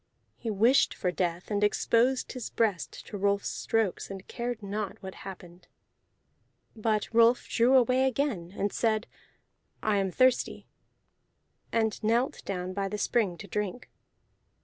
He wished for death, and exposed his breast to Rolf's strokes, and cared not what happened. But Rolf drew away again, and said, "I am thirsty," and knelt down by the spring to drink.